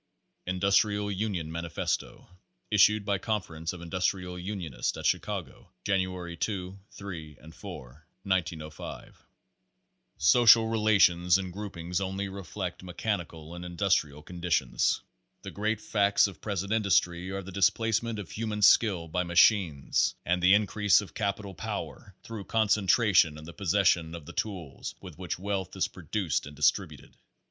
INDUSTRIAL UNION MANIFESTO Issued by Conference of Industrial Unionists at Chi cago, January 2, 3 and 4, 1905. Social relations and groupings only reflect mechani cal and industrial conditions. The great facts of pres ent industry are the displacement of human skill by machines and the increase of capitalist power through concentration in the possession of the tools with which wealth is produced and distributed.